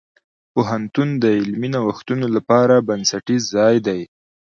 پوهنتون د علمي نوښتونو لپاره بنسټیز ځای دی.